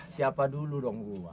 siapa dulu dong gua